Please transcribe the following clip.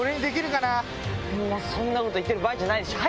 もう、そんなこと言ってる場合じゃないでしょ。